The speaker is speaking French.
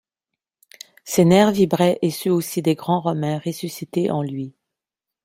Ses nerfs vibraient, et ceux aussi des grands Romains ressuscités en lui.